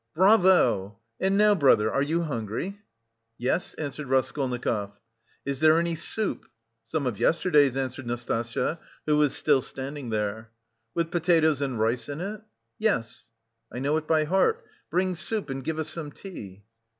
"Bravo! And now, brother, are you hungry?" "Yes," answered Raskolnikov. "Is there any soup?" "Some of yesterday's," answered Nastasya, who was still standing there. "With potatoes and rice in it?" "Yes." "I know it by heart. Bring soup and give us some tea."